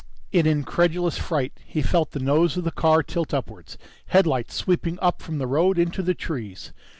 In incredulous fright, he felt the nose of the car tilt upwards, headlights sweeping up from the road into the trees.